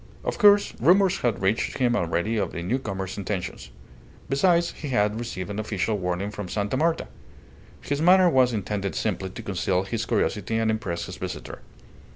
Of course, rumours had reached him already of the newcomer's intentions. Besides, he had received an official warning from Sta. Marta. His manner was intended simply to conceal his curiosity and impress his visitor.